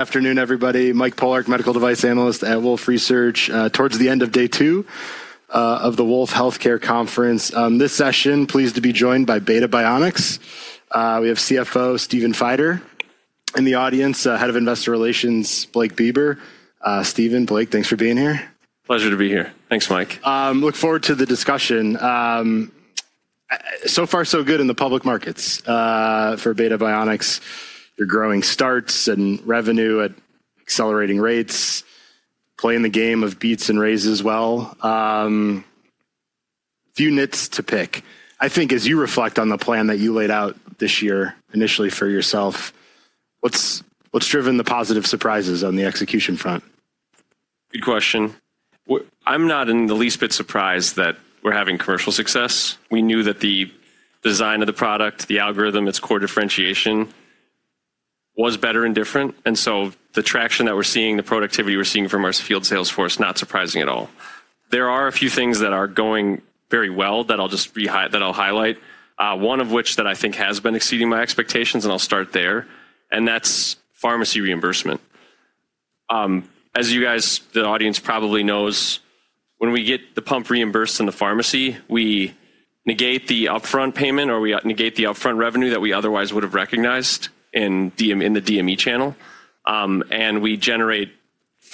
Afternoon, everybody. Mike Pollard, Medical Device Analyst at Wolfe Research, towards the end of day two of the Wolfe Healthcare Conference. This session, pleased to be joined by Beta Bionics. We have CFO Stephen Feider in the audience, Head of Investor Relations Blake Beber. Stephen, Blake, thanks for being here. Pleasure to be here. Thanks, Mike. Look forward to the discussion. So far, so good in the public markets for Beta Bionics. You're growing starts and revenue at accelerating rates, playing the game of beats and raises well. Few nits to pick. I think as you reflect on the plan that you laid out this year initially for yourself, what's driven the positive surprises on the execution front? Good question. I'm not in the least bit surprised that we're having commercial success. We knew that the design of the product, the algorithm, its core differentiation was better and different. The traction that we're seeing, the productivity we're seeing from our field sales force, not surprising at all. There are a few things that are going very well that I'll just highlight, one of which that I think has been exceeding my expectations, and I'll start there, and that's pharmacy reimbursement. As you guys, the audience probably knows, when we get the pump reimbursed in the pharmacy, we negate the upfront payment or we negate the upfront revenue that we otherwise would have recognized in the DME channel. We generate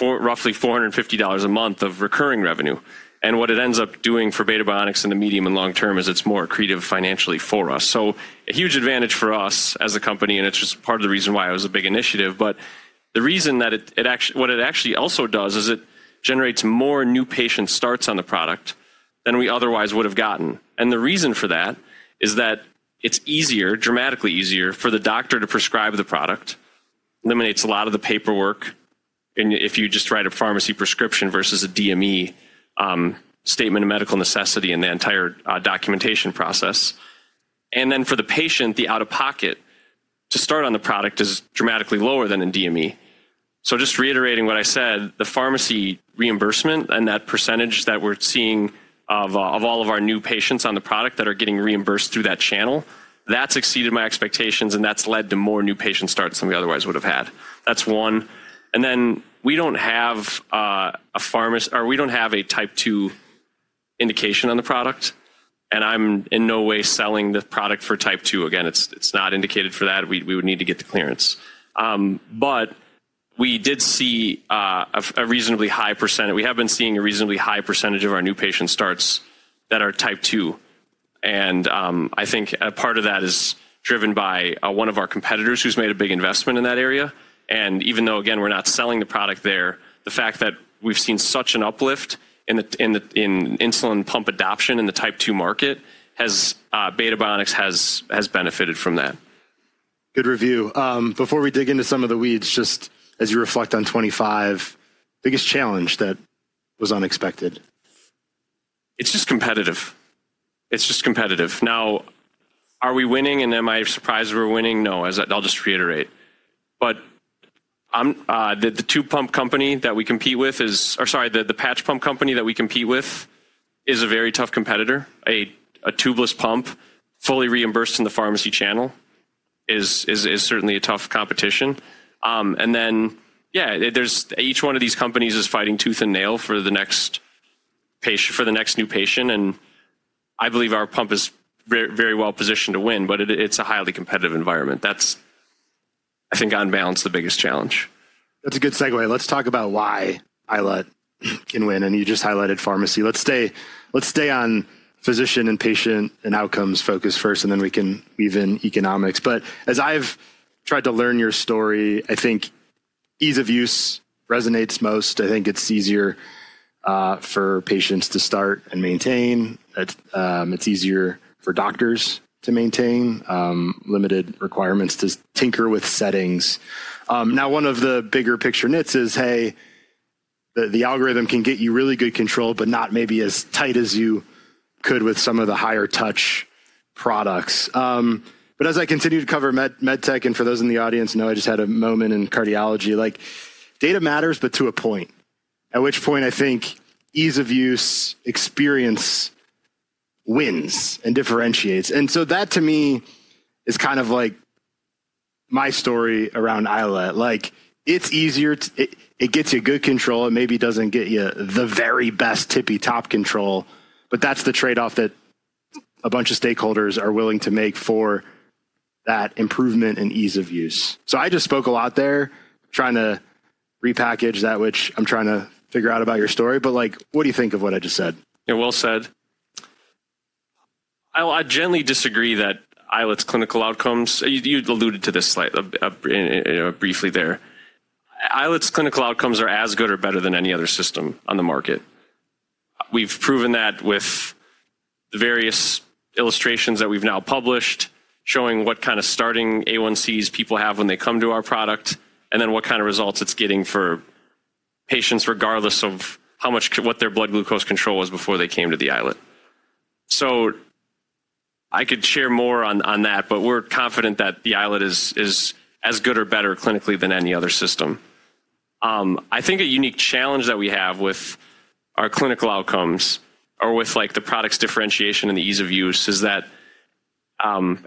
roughly $450 a month of recurring revenue. What it ends up doing for Beta Bionics in the medium and long term is it's more accretive financially for us. A huge advantage for us as a company, and it's just part of the reason why it was a big initiative. The reason that it actually, what it actually also does is it generates more new patient starts on the product than we otherwise would have gotten. The reason for that is that it's easier, dramatically easier for the doctor to prescribe the product, eliminates a lot of the paperwork. If you just write a pharmacy prescription versus a DME statement of medical necessity and the entire documentation process. For the patient, the out-of-pocket to start on the product is dramatically lower than in DME. Just reiterating what I said, the pharmacy reimbursement and that percentage that we're seeing of all of our new patients on the product that are getting reimbursed through that channel, that's exceeded my expectations, and that's led to more new patient starts than we otherwise would have had. That's one. We don't have a pharmacy or we don't have a type two indication on the product. I'm in no way selling the product for type 2. Again, it's not indicated for that. We would need to get the clearance. We did see a reasonably high percent. We have been seeing a reasonably high percentage of our new patient starts that are type 2. I think a part of that is driven by one of our competitors who's made a big investment in that area. Even though, again, we're not selling the product there, the fact that we've seen such an uplift in insulin pump adoption in the type 2 market, Beta Bionics has benefited from that. Good review. Before we dig into some of the weeds, just as you reflect on 2025, biggest challenge that was unexpected? It's just competitive. Now, are we winning and am I surprised we're winning? No, I'll just reiterate. The patch pump company that we compete with is a very tough competitor. A tubeless pump fully reimbursed in the pharmacy channel is certainly tough competition. Each one of these companies is fighting tooth and nail for the next new patient. I believe our pump is very well positioned to win, but it's a highly competitive environment. That's, I think, on balance, the biggest challenge. That's a good segue. Let's talk about why iLet can win. You just highlighted pharmacy. Let's stay on physician and patient and outcomes focus first, and then we can weave in economics. As I've tried to learn your story, I think ease of use resonates most. I think it's easier for patients to start and maintain. It's easier for doctors to maintain, limited requirements to tinker with settings. Now, one of the bigger picture nits is, hey, the algorithm can get you really good control, but not maybe as tight as you could with some of the higher touch products. As I continue to cover medtech and for those in the audience, no, I just had a moment in cardiology, like data matters, but to a point, at which point I think ease of use experience wins and differentiates. That to me is kind of like my story around iLet. It's easier, it gets you good control, it maybe doesn't get you the very best tippy top control, but that's the trade-off that a bunch of stakeholders are willing to make for that improvement and ease of use. I just spoke a lot there, trying to repackage that, which I'm trying to figure out about your story. What do you think of what I just said? Yeah, well said. I'll gently disagree that iLet’s clinical outcomes, you alluded to this briefly there. iLet’s clinical outcomes are as good or better than any other system on the market. We've proven that with the various illustrations that we've now published, showing what kind of starting A1Cs people have when they come to our product, and then what kind of results it's getting for patients regardless of what their blood glucose control was before they came to the iLet. I could share more on that, but we're confident that the iLet is as good or better clinically than any other system. I think a unique challenge that we have with our clinical outcomes or with the product's differentiation and the ease of use is that,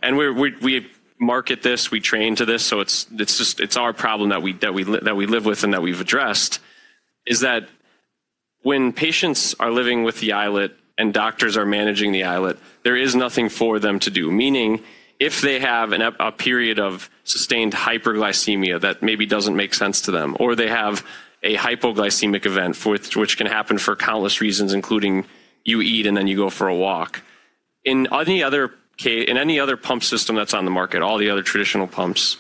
and we market this, we train to this, so it's our problem that we live with and that we've addressed, is that when patients are living with the iLet and doctors are managing the iLet, there is nothing for them to do. Meaning if they have a period of sustained hyperglycemia that maybe doesn't make sense to them, or they have a hypoglycemic event, which can happen for countless reasons, including you eat and then you go for a walk. In any other pump system that's on the market, all the other traditional pumps,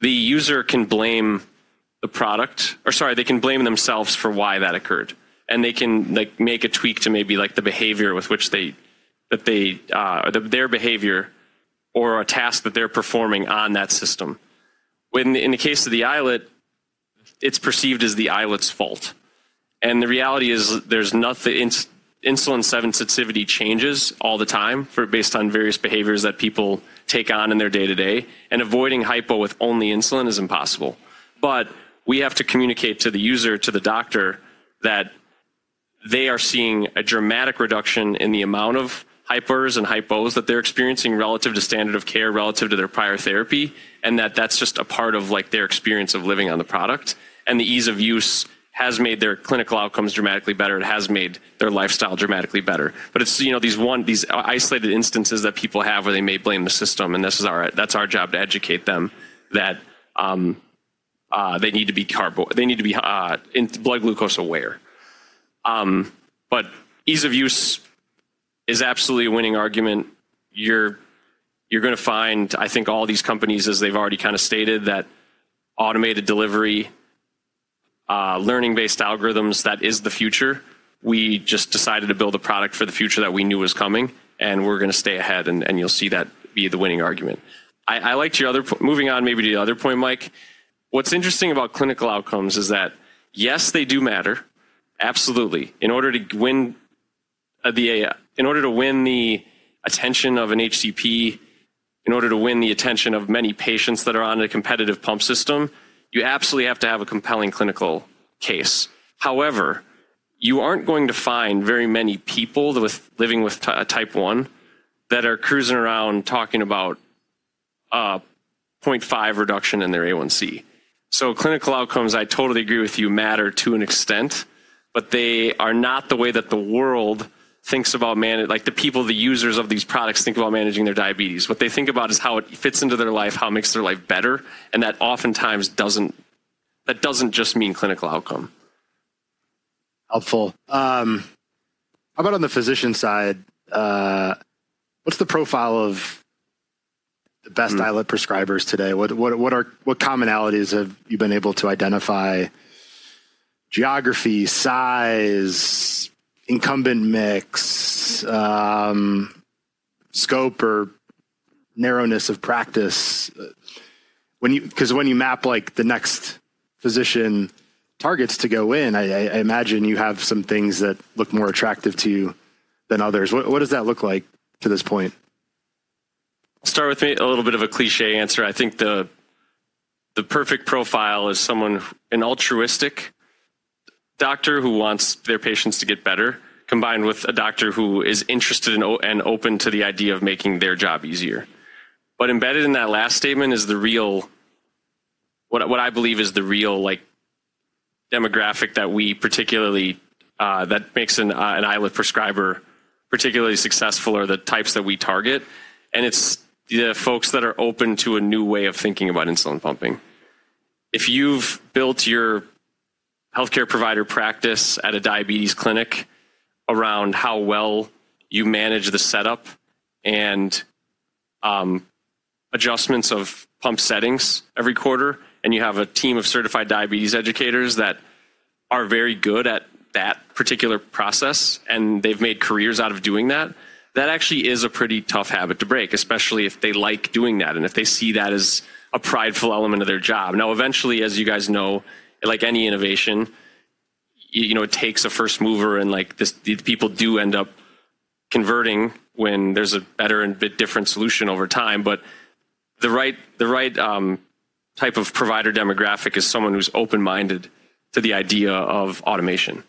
the user can blame the product, or sorry, they can blame themselves for why that occurred. They can make a tweak to maybe the behavior with which they, their behavior or a task that they're performing on that system. In the case of the iLet, it's perceived as the iLet’s fault. The reality is there's nothing, insulin sensitivity changes all the time based on various behaviors that people take on in their day-to-day. Avoiding hypo with only insulin is impossible. We have to communicate to the user, to the doctor, that they are seeing a dramatic reduction in the amount of hypers and hypos that they're experiencing relative to standard of care, relative to their prior therapy, and that that's just a part of their experience of living on the product. The ease of use has made their clinical outcomes dramatically better. It has made their lifestyle dramatically better. It's these isolated instances that people have where they may blame the system. That's our job to educate them that they need to be blood glucose aware. Ease of use is absolutely a winning argument. You're going to find, I think, all these companies, as they've already kind of stated, that automated delivery, learning-based algorithms, that is the future. We just decided to build a product for the future that we knew was coming, and we're going to stay ahead. You'll see that be the winning argument. I liked your other point. Moving on maybe to the other point, Mike. What's interesting about clinical outcomes is that, yes, they do matter. Absolutely. In order to win the attention of an HCP, in order to win the attention of many patients that are on a competitive pump system, you absolutely have to have a compelling clinical case. However, you aren't going to find very many people living with type 1 that are cruising around talking about 0.5 reduction in their A1C. Clinical outcomes, I totally agree with you, matter to an extent, but they are not the way that the world thinks about, like the people, the users of these products think about managing their diabetes. What they think about is how it fits into their life, how it makes their life better. That oftentimes doesn't just mean clinical outcome. Helpful. How about on the physician side? What's the profile of the best iLet prescribers today? What commonalities have you been able to identify? Geography, size, incumbent mix, scope or narrowness of practice? Because when you map the next physician targets to go in, I imagine you have some things that look more attractive to you than others. What does that look like to this point? Start with a little bit of a cliché answer. I think the perfect profile is someone, an altruistic doctor who wants their patients to get better, combined with a doctor who is interested and open to the idea of making their job easier. Embedded in that last statement is the real, what I believe is the real demographic that makes an iLet prescriber particularly successful, are the types that we target. It's the folks that are open to a new way of thinking about insulin pumping. If you've built your healthcare provider practice at a diabetes clinic around how well you manage the setup and adjustments of pump settings every quarter, and you have a team of certified diabetes educators that are very good at that particular process, and they've made careers out of doing that, that actually is a pretty tough habit to break, especially if they like doing that and if they see that as a prideful element of their job. Now, eventually, as you guys know, like any innovation, it takes a first mover and people do end up converting when there's a better and a bit different solution over time. The right type of provider demographic is someone who's open-minded to the idea of automation.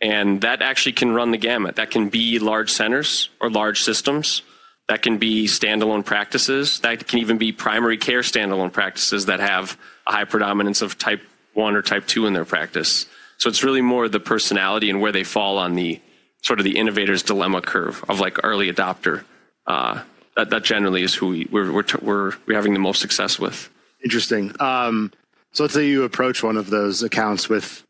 That actually can run the gamut. That can be large centers or large systems. That can be standalone practices. That can even be primary care standalone practices that have a high predominance of type 1 or type 2 in their practice. It is really more the personality and where they fall on the sort of the innovator's dilemma curve of early adopter. That generally is who we're having the most success with. Interesting. Let's say you approach one of those accounts with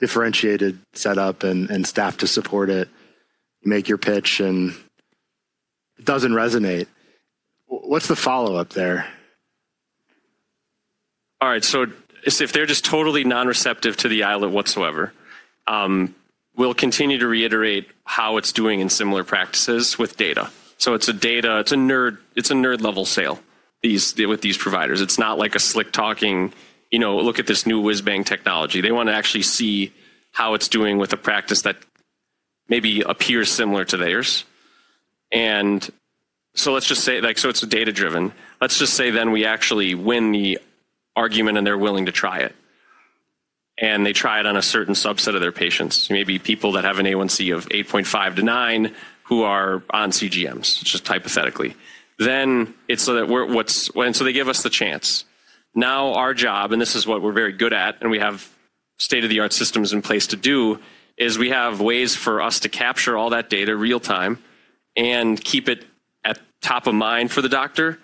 differentiated setup and staff to support it. You make your pitch and it does not resonate. What is the follow-up there? All right. If they're just totally non-receptive to the iLet whatsoever, we'll continue to reiterate how it's doing in similar practices with data. It's a data, it's a nerd-level sale with these providers. It's not like a slick talking, look at this new whiz-bang technology. They want to actually see how it's doing with a practice that maybe appears similar to theirs. Let's just say, it's data-driven. Let's just say then we actually win the argument and they're willing to try it. They try it on a certain subset of their patients, maybe people that have an A1C of 8.5-9 who are on CGMs, just hypothetically. It's so that we're, and so they give us the chance. Now our job, and this is what we're very good at and we have state-of-the-art systems in place to do, is we have ways for us to capture all that data real-time and keep it at top of mind for the doctor,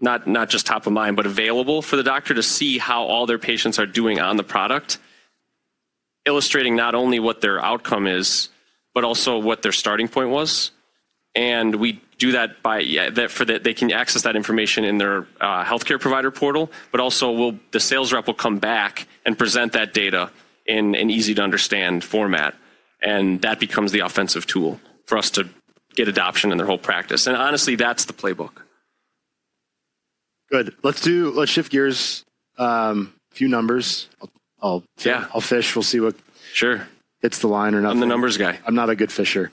not just top of mind, but available for the doctor to see how all their patients are doing on the product, illustrating not only what their outcome is, but also what their starting point was. We do that by, they can access that information in their healthcare provider portal, but also the sales rep will come back and present that data in an easy-to-understand format. That becomes the offensive tool for us to get adoption in their whole practice. Honestly, that's the playbook. Good. Let's shift gears, a few numbers. I'll fish. We'll see what hits the line or not. I'm the numbers guy. I'm not a good fisherman.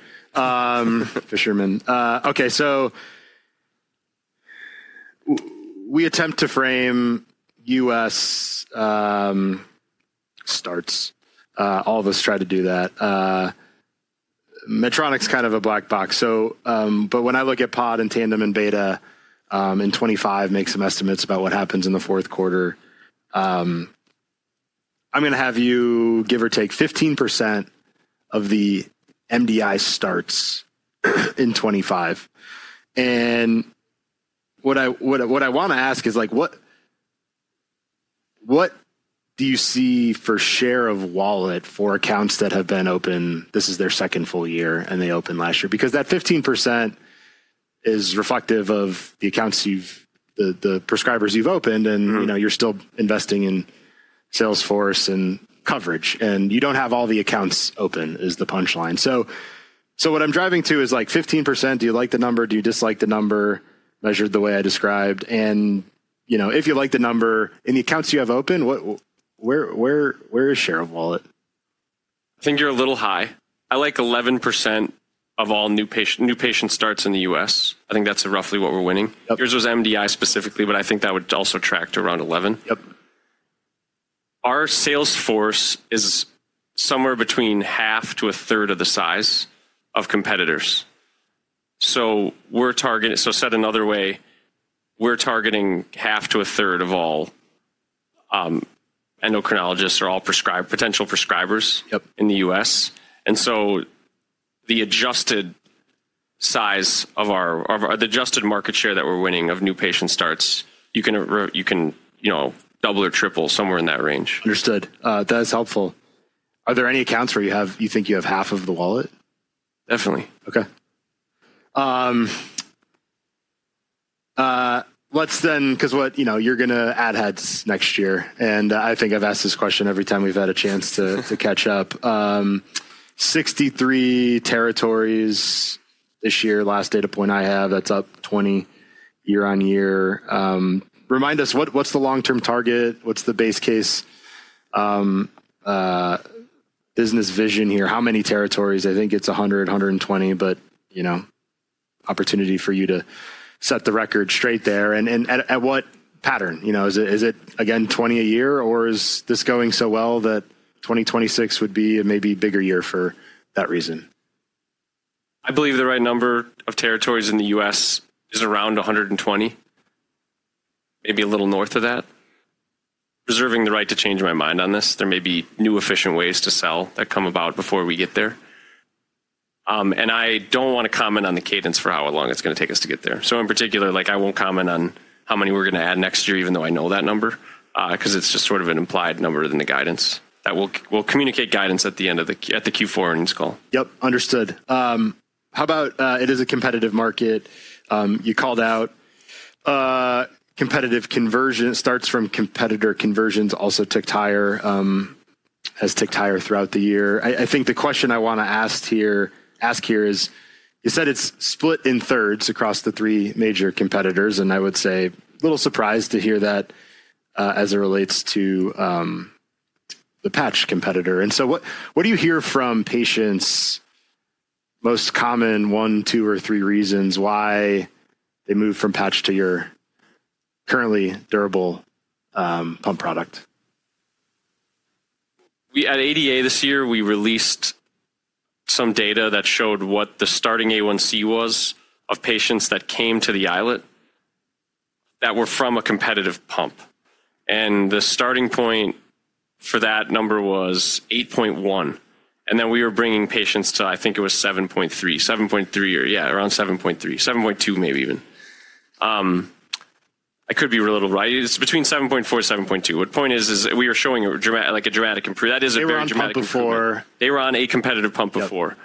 Okay. We attempt to frame U.S. starts. All of us try to do that. Medtronic's kind of a black box. When I look at Pod and Tandem and Beta in 2025, make some estimates about what happens in the fourth quarter. I'm going to have you give or take 15% of the MDI starts in 2025. What I want to ask is what do you see for share of wallet for accounts that have been open? This is their second full year and they opened last year. That 15% is reflective of the accounts, the prescribers you've opened and you're still investing in Salesforce and coverage. You don't have all the accounts open is the punchline. What I'm driving to is 15%. Do you like the number? Do you dislike the number measured the way I described? If you like the number, in the accounts you have open, where is share of wallet? I think you're a little high. I like 11% of all new patient starts in the U.S. I think that's roughly what we're winning. Here's those MDI specifically, but I think that would also track to around 11%. Our Salesforce is somewhere between half to a third of the size of competitors. So we're targeting, so said another way, we're targeting half to a third of all endocrinologists or all potential prescribers in the US. And so the adjusted size of our, the adjusted market share that we're winning of new patient starts, you can double or triple somewhere in that range. Understood. That's helpful. Are there any accounts where you think you have half of the wallet? Definitely. Okay. Let's then, because you're going to add heads next year. I think I've asked this question every time we've had a chance to catch up. 63 territories this year, last data point I have, that's up 20 year-on-year. Remind us, what's the long-term target? What's the base case business vision here? How many territories? I think it's 100, 120, but opportunity for you to set the record straight there. At what pattern? Is it, again, 20 a year or is this going so well that 2026 would be a maybe bigger year for that reason? I believe the right number of territories in the U.S. is around 120, maybe a little north of that. Reserving the right to change my mind on this. There may be new efficient ways to sell that come about before we get there. I do not want to comment on the cadence for how long it's going to take us to get there. In particular, I will not comment on how many we're going to add next year, even though I know that number, because it's just sort of an implied number in the guidance. We'll communicate guidance at the end of the Q4 and its call. Yep. Understood. How about, it is a competitive market? You called out competitive conversion. It starts from competitor conversions, also ticked higher, has ticked higher throughout the year. I think the question I want to ask here is, you said it's split in thirds across the three major competitors. I would say a little surprised to hear that as it relates to the patch competitor. What do you hear from patients? Most common one, two, or three reasons why they moved from patch to your currently durable pump product? At ADA this year, we released some data that showed what the starting A1C was of patients that came to the iLet that were from a competitive pump. The starting point for that number was 8.1. We were bringing patients to, I think it was 7.3, 7.3 or yeah, around 7.3, 7.2 maybe even. I could be a little right. It is between 7.4 and 7.2. The point is, we were showing a dramatic improvement. That is a very dramatic improvement. They were on a competitive pump before.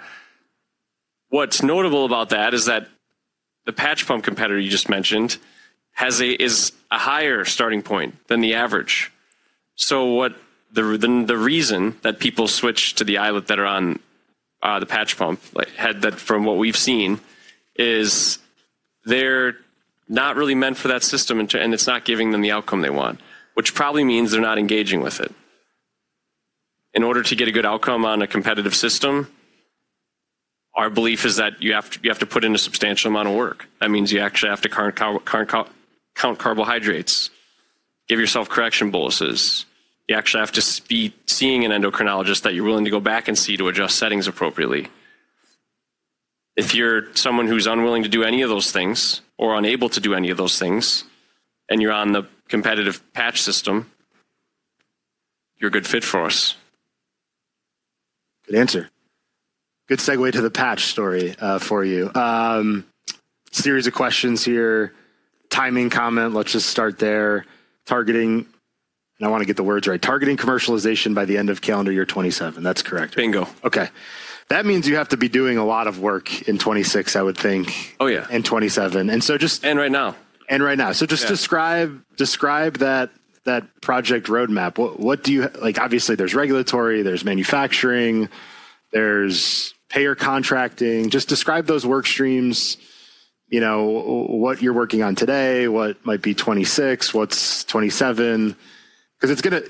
What's notable about that is that the patch pump competitor you just mentioned has a higher starting point than the average. The reason that people switch to the iLet that are on the patch pump, from what we've seen, is they're not really meant for that system and it's not giving them the outcome they want, which probably means they're not engaging with it. In order to get a good outcome on a competitive system, our belief is that you have to put in a substantial amount of work. That means you actually have to count carbohydrates, give yourself correction boluses. You actually have to be seeing an endocrinologist that you're willing to go back and see to adjust settings appropriately. If you're someone who's unwilling to do any of those things or unable to do any of those things, and you're on the competitive patch system, you're a good fit for us. Good answer. Good segue to the patch story for you. Series of questions here. Timing comment, let's just start there. Targeting, and I want to get the words right, targeting commercialization by the end of calendar year 2027. That's correct. Bingo. Okay. That means you have to be doing a lot of work in 2026, I would think, in 2027. And so just. Right now. Right now, just describe that project roadmap. Obviously, there is regulatory, there is manufacturing, there is payer contracting. Just describe those work streams, what you are working on today, what might be 2026, what is 2027. Because it is going to,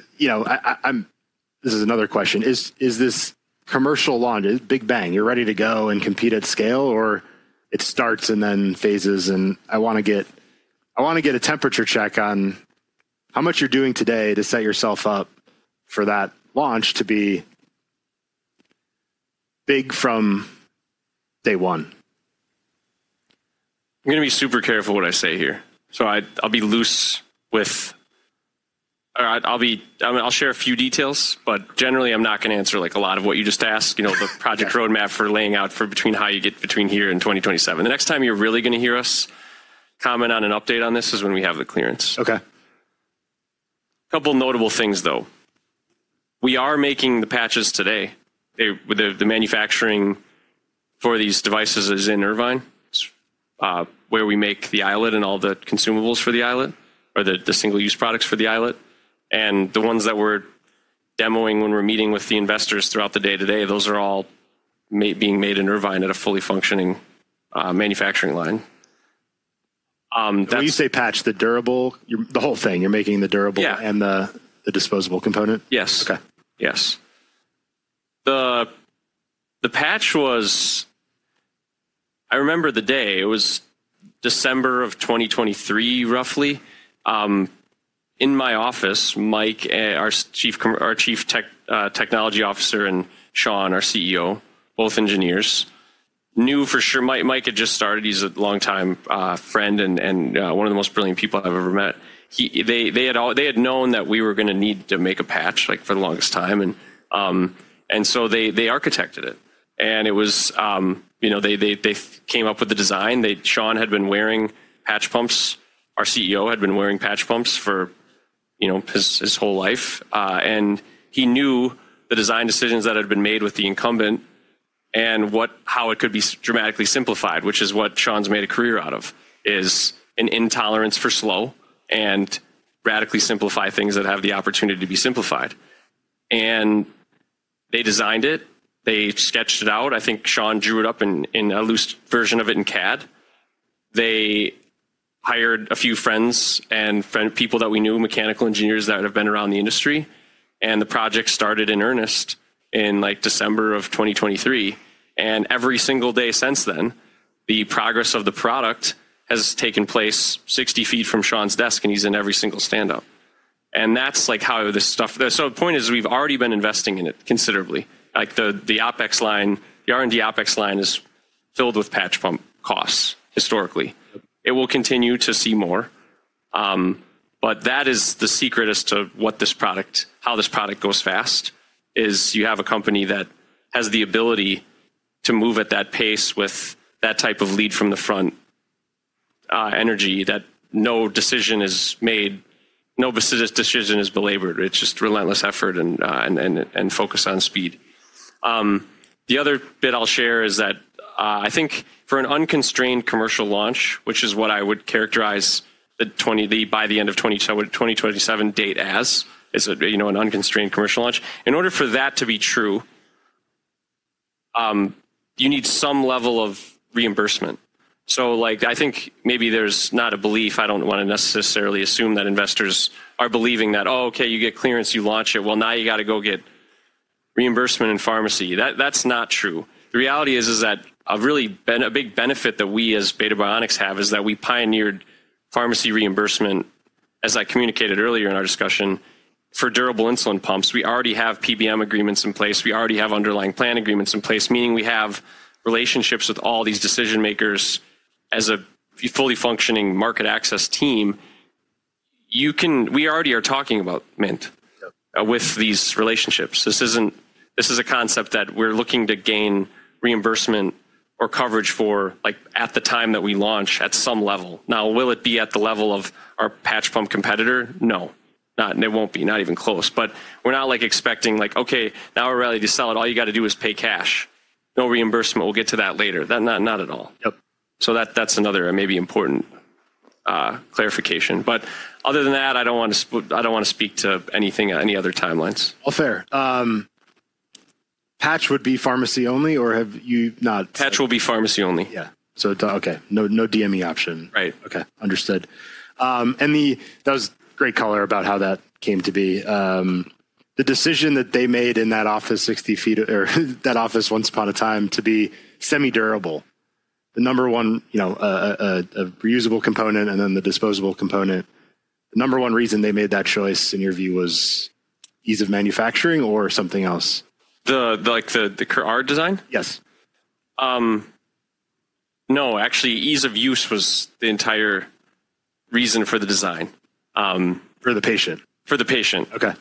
this is another question, is this commercial launch a big bang, you are ready to go and compete at scale or it starts and then phases? I want to get a temperature check on how much you are doing today to set yourself up for that launch to be big from day one. I'm going to be super careful what I say here. I'll be loose with, I'll share a few details, but generally, I'm not going to answer a lot of what you just asked, the project roadmap for laying out for between how you get between here and 2027. The next time you're really going to hear us comment on an update on this is when we have the clearance. Okay. A couple notable things though. We are making the patches today. The manufacturing for these devices is in Irvine, where we make the iLet and all the consumables for the iLet, or the single-use products for the iLet. The ones that we're demoing when we're meeting with the investors throughout the day today, those are all being made in Irvine at a fully functioning manufacturing line. When you say patch, the durable, the whole thing, you're making the durable and the disposable component? Yes. Okay. Yes. The patch was, I remember the day, it was December of 2023, roughly. In my office, Mike, our Chief Technology Officer, and Sean, our CEO, both engineers, knew for sure, Mike had just started, he's a long-time friend and one of the most brilliant people I've ever met. They had known that we were going to need to make a patch for the longest time. They architected it. They came up with the design. Sean had been wearing patch pumps. Our CEO had been wearing patch pumps for his whole life. He knew the design decisions that had been made with the incumbent and how it could be dramatically simplified, which is what Sean's made a career out of, is an intolerance for slow and radically simplify things that have the opportunity to be simplified. They designed it. They sketched it out. I think Sean drew it up in a loose version of it in CAD. They hired a few friends and people that we knew, mechanical engineers that have been around the industry. The project started in earnest in December of 2023. Every single day since then, the progress of the product has taken place 60 ft from Sean's desk and he's in every single standup. That's how this stuff, so the point is we've already been investing in it considerably. The R&D OpEx line is filled with patch pump costs historically. It will continue to see more. That is the secret as to what this product, how this product goes fast, is you have a company that has the ability to move at that pace with that type of lead from the front energy that no decision is made, no decision is belabored. It's just relentless effort and focus on speed. The other bit I'll share is that I think for an unconstrained commercial launch, which is what I would characterize by the end of 2027 date as, is an unconstrained commercial launch. In order for that to be true, you need some level of reimbursement. I think maybe there's not a belief, I don't want to necessarily assume that investors are believing that, "Oh, okay, you get clearance, you launch it. Well, now you got to go get reimbursement in pharmacy." That's not true. The reality is that a big benefit that we as Beta Bionics have is that we pioneered pharmacy reimbursement, as I communicated earlier in our discussion, for durable insulin pumps. We already have PBM agreements in place. We already have underlying plan agreements in place, meaning we have relationships with all these decision makers as a fully functioning market access team. We already are talking about mint with these relationships. This is a concept that we're looking to gain reimbursement or coverage for at the time that we launch at some level. Now, will it be at the level of our patch pump competitor? No, it won't be, not even close. We are not expecting like, "Okay, now we're ready to sell it. All you got to do is pay cash. No reimbursement. We'll get to that later." Not at all. That is another maybe important clarification. Other than that, I don't want to speak to anything, any other timelines. All fair. Patch would be pharmacy only or have you not? Patch will be pharmacy only. Yeah. So okay, no DME option. Right. Okay. Understood. That was great color about how that came to be. The decision that they made in that office 60 feet or that office once upon a time to be semi-durable, the number one reusable component and then the disposable component, the number one reason they made that choice in your view was ease of manufacturing or something else? The core design? Yes. No, actually ease of use was the entire reason for the design. For the patient. For the patient. Okay.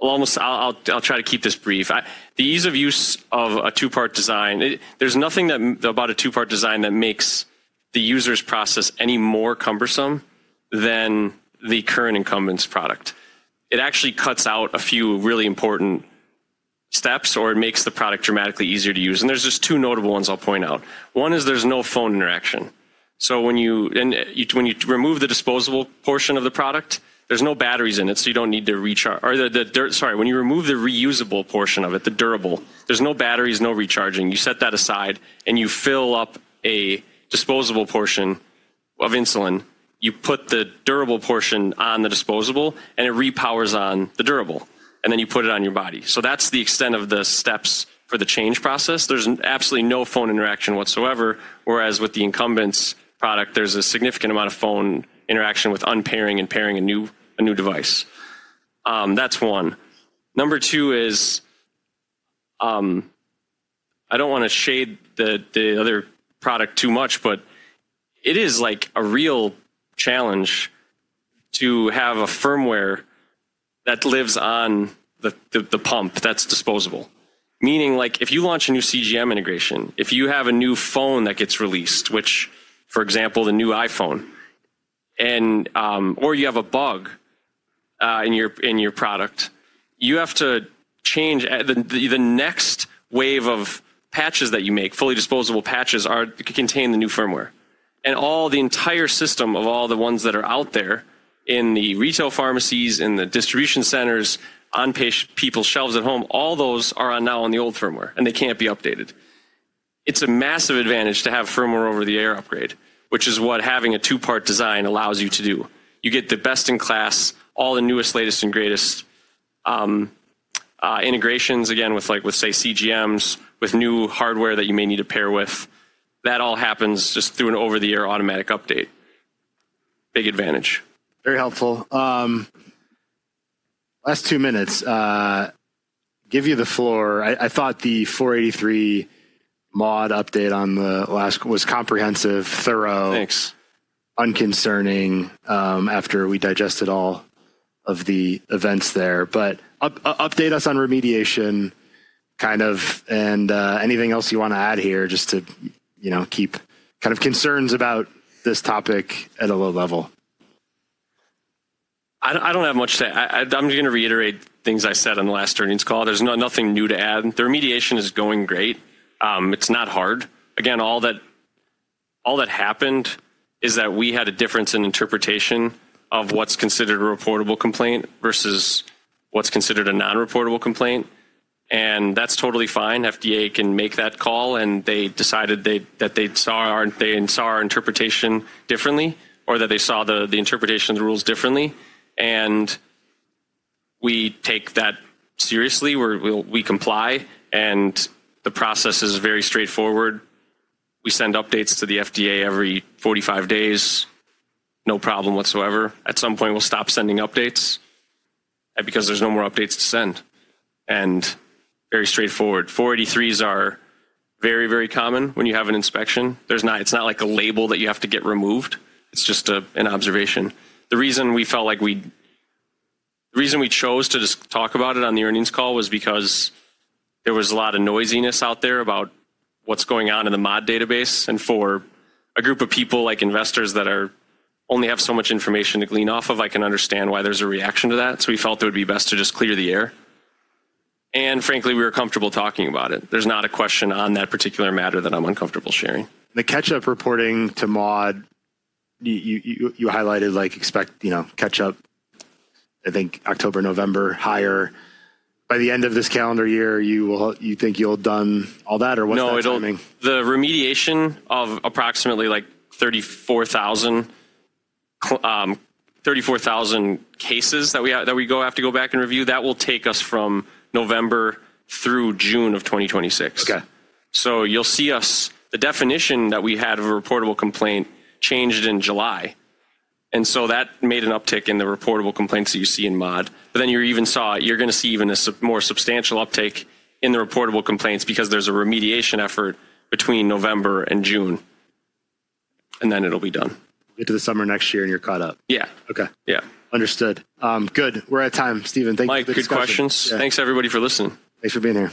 I'll try to keep this brief. The ease of use of a two-part design, there's nothing about a two-part design that makes the user's process any more cumbersome than the current incumbent's product. It actually cuts out a few really important steps or it makes the product dramatically easier to use. There's just two notable ones I'll point out. One is there's no phone interaction. When you remove the disposable portion of the product, there's no batteries in it, so you don't need to recharge. Or sorry, when you remove the reusable portion of it, the durable, there's no batteries, no recharging. You set that aside and you fill up a disposable portion of insulin. You put the durable portion on the disposable and it repowers on the durable. Then you put it on your body. That's the extent of the steps for the change process. There's absolutely no phone interaction whatsoever. Whereas with the incumbent's product, there's a significant amount of phone interaction with unpairing and pairing a new device. That's one. Number two is, I don't want to shade the other product too much, but it is like a real challenge to have a firmware that lives on the pump that's disposable. Meaning if you launch a new CGM integration, if you have a new phone that gets released, which for example, the new iPhone, or you have a bug in your product, you have to change the next wave of patches that you make, fully disposable patches can contain the new firmware. The entire system of all the ones that are out there in the retail pharmacies, in the distribution centers, on people's shelves at home, all those are now on the old firmware and they can't be updated. It's a massive advantage to have firmware over-the-air upgrade, which is what having a two-part design allows you to do. You get the best in class, all the newest, latest, and greatest integrations, again, with say CGMs, with new hardware that you may need to pair with. That all happens just through an over-the-air automatic update. Big advantage. Very helpful. Last two minutes. Give you the floor. I thought the 483 mod update on the last was comprehensive, thorough. Thanks. Unconcerning after we digested all of the events there. Update us on remediation kind of and anything else you want to add here just to keep kind of concerns about this topic at a low level. I don't have much to add. I'm just going to reiterate things I said on the last earnings call. There's nothing new to add. The remediation is going great. It's not hard. Again, all that happened is that we had a difference in interpretation of what's considered a reportable complaint versus what's considered a non-reportable complaint. That's totally fine. FDA can make that call and they decided that they saw our interpretation differently or that they saw the interpretation of the rules differently. We take that seriously. We comply and the process is very straightforward. We send updates to the FDA every 45 days. No problem whatsoever. At some point, we'll stop sending updates because there's no more updates to send. Very straightforward. 483s are very, very common when you have an inspection. It's not like a label that you have to get removed. It's just an observation. The reason we felt like we chose to just talk about it on the earnings call was because there was a lot of noisiness out there about what's going on in the MAUDE database. For a group of people like investors that only have so much information to glean off of, I can understand why there's a reaction to that. We felt it would be best to just clear the air. Frankly, we were comfortable talking about it. There's not a question on that particular matter that I'm uncomfortable sharing. The catch-up reporting to mod, you highlighted expect catch-up, I think October, November, higher. By the end of this calendar year, you think you'll have done all that or what's upcoming? No, the remediation of approximately 34,000 cases that we have to go back and review, that will take us from November through June of 2026. Okay. You'll see us, the definition that we had of a reportable complaint changed in July. That made an uptick in the reportable complaints that you see in MAUDE. You're going to see even a more substantial uptick in the reportable complaints because there's a remediation effort between November and June. Then it'll be done. We'll get to the summer next year and you're caught up. Yeah. Okay. Yeah. Understood. Good. We're out of time, Stephen. Thank you for this call. Mike, good questions. Thanks everybody for listening. Thanks for being here.